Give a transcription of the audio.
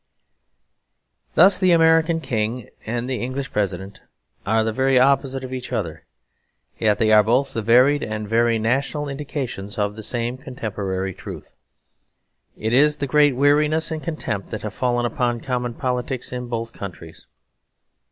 Thus the American King and the English President are the very opposite of each other; yet they are both the varied and very national indications of the same contemporary truth. It is the great weariness and contempt that have fallen upon common politics in both countries.